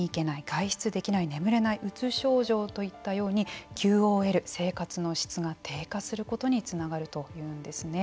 外出できない眠れないうつ症状といったようにＱＯＬ、生活の質が低下することにつながるということですね。